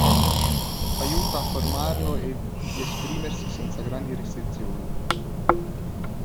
Aiuta a formarlo e di esprimersi senza grandi restrizioni.